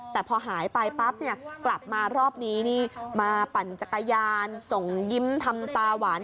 แต่พอหายไปปั๊บเนี่ยกลับมารอบนี้นี่มาปั่นจักรยานส่งยิ้มทำตาหวาน